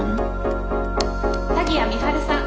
鍵谷美晴さん。